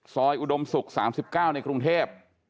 อุดมศุกร์๓๙ในกรุงเทพ